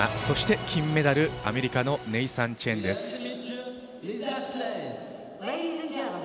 そして金メダルアメリカのネイサン・チェンです。